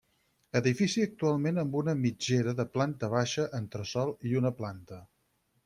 Edifici actualment amb una mitgera, de planta baixa, entresòl i una planta.